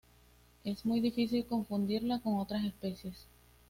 Es muy difícil confundirla con otras especies.